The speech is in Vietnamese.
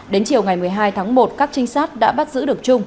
đến chiều ngày một mươi hai tháng một các trinh sát đã bắt giữ được trung